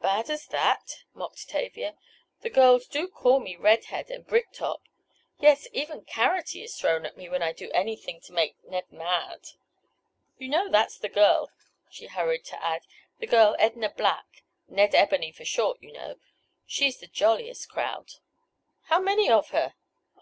"Bad as that?" mocked Tavia. "The girls do call me 'red head' and 'brick top.' Yes, even 'carroty' is thrown at me when I do anything to make Ned mad. You know that's the girl," she hurried to add, "the girl—Edna Black—Ned Ebony for short, you know. She's the jolliest crowd—" "How many of her?"